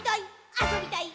あそびたい！」